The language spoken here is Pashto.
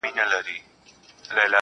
د برزخي ژوند دقيقې دې رانه کچي نه کړې